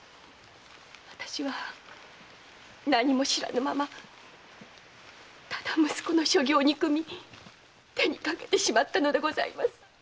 私は何も知らぬままただ息子の所業を憎み手にかけてしまったのでございます！